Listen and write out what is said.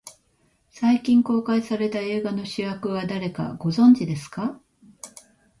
最近公開された映画の主役が誰か、ご存じですか。